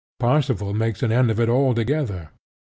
Parsifal makes an end of it altogether.